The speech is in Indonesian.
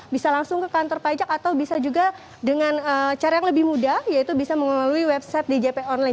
bisa langsung ke kantor pajak atau bisa juga dengan cara yang lebih mudah yaitu bisa mengelalui website djp online